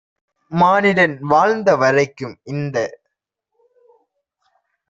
மானிடன் வாழ்ந்த வரைக்கும் - இந்த